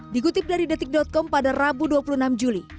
dikutip dari detik com pada rabu dua puluh enam juli